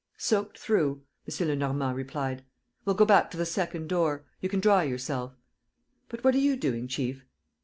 ..." "Soaked through," M. Lenormand replied. "We'll go back to the second door; you can dry yourself ..." "But what are you doing, chief?"